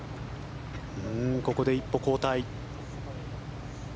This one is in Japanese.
ここで一歩後退。